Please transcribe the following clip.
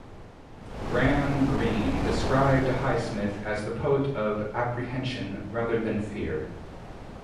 Graham Greene described Highsmith as the poet of apprehension rather than fear.